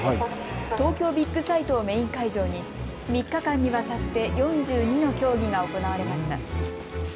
東京ビッグサイトをメイン会場に３日間にわたって４２の競技が行われました。